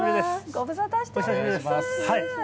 ご無沙汰してます。